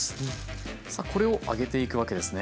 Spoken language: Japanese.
さあこれを揚げていくわけですね。